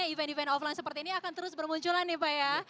event event offline seperti ini akan terus bermunculan nih pak ya